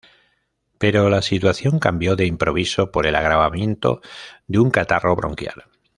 Pero la situación cambió de improviso por el agravamiento de un catarro bronquial.